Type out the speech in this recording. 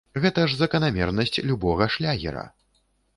Гэта ж заканамернасць любога шлягера!